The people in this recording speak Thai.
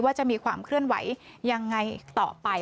จะมีความเคลื่อนไหวยังไงต่อไป